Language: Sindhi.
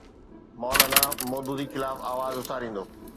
مو لانا مودودي خلاف آواز اٿاريندو.